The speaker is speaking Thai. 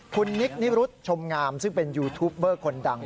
คุณนิคนิรุธชมงามซึ่งเป็นยูทูปเบอร์คนดัง